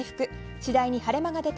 次第に晴れ間が出て